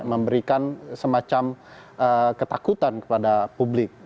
memberikan semacam ketakutan kepada publik